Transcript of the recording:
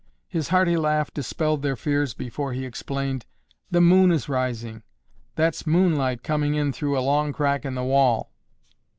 His hearty laugh dispelled their fears before he explained, "The moon is rising. That's moonlight coming in through a long crack in the wall."